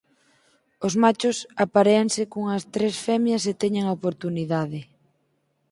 Os machos aparéanse cunhas tres femias se teñen a oportunidade.